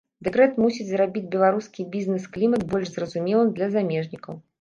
Дэкрэт мусіць зрабіць беларускі бізнес-клімат больш зразумелым для замежнікаў.